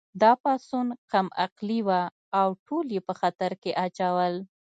دا پاڅون کم عقلې وه او ټول یې په خطر کې اچول